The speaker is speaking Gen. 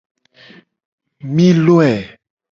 Mi loe.